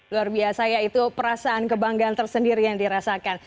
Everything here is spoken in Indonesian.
luar biasa ya itu perasaan kebanggaan tersendiri yang dirasakan